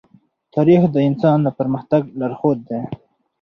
تاریخ د انسان د پرمختګ لارښود دی.